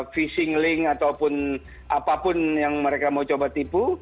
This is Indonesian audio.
phishing link ataupun apapun yang mereka mau coba tipu